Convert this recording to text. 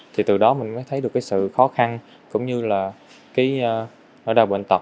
thì từ đó mình mới thấy được cái sự khó khăn cũng như là cái ở đào bệnh tật